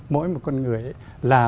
mỗi một con người ấy là